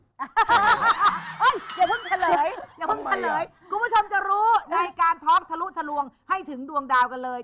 เฮ้ยอย่าเพิ่งเฉลยคุณผู้ชมจะรู้ในการทอล์กทะลุทะลวงให้ถึงดวงดาวกันเลย